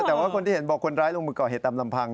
แต่ว่าคนที่เห็นบอกคนร้ายลงมือก่อเหตุตามลำพัง